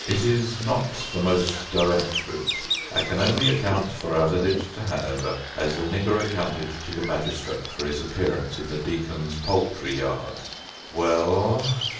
It is not the most direct route. I can only account for our visit to Hanover as the nigger accounted to the magistrate for his appearance in the Deacon's poultry yard. "Well?"